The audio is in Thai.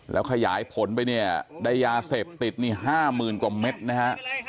แล้วขยายผลไปเนี่ยได้ยาเสพติดนี่๕๐๐๐กว่าเม็ดนะฮะ